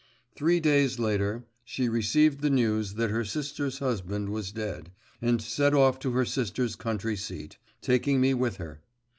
Three days later, she received the news that her sister's husband was dead, and set off to her sister's country seat, taking me with her.